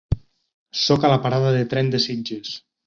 Soc a la parada de tren de Sitges.